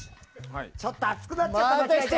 ちょっと熱くなっちゃったな。